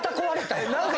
何か。